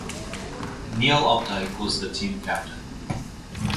Neil Opdyke was the team captain.